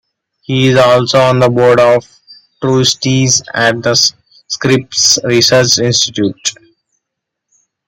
He is also on the Board of Trustees at The Scripps Research Institute.